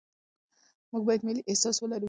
موږ باید ملي احساس ولرو.